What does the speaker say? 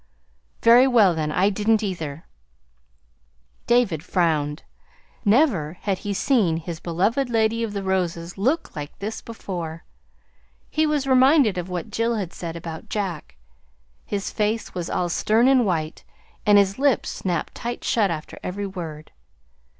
"Very well, then. I didn't, either." David frowned. Never had he seen his beloved Lady of the Roses look like this before. He was reminded of what Jill had said about Jack: "His face was all stern and white, and his lips snapped tight shut after every word."